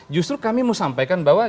justru kami mau sampaikan bahwa